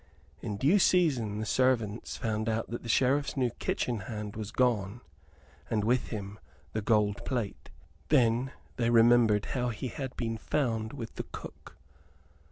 In due season the servants found that the Sheriff's new kitchen hand was gone, and with him the gold plate. Then they remembered how he had been found with the cook.